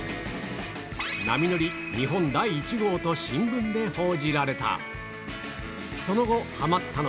波乗り日本第１号と新聞で報じられた。